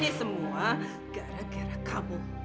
dan ini semua gara gara kamu